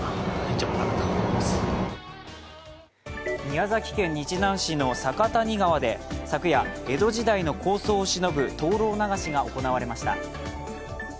宮崎県日南市の酒谷川で昨夜、江戸時代の高僧を忍ぶ灯籠流しが行われました。